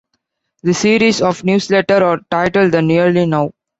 This series of newsletters are titled "The Nearly Now".